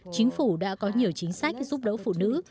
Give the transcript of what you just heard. chính phủ đã có nhiều chính sách giúp đỡ phụ nữ